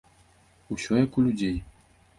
Усё як у людзей.